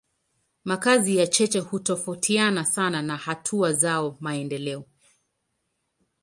Makazi ya cheche hutofautiana sana na hatua zao za maendeleo.